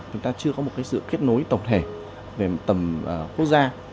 chúng ta chưa có một sự kết nối tổng thể về tầm quốc gia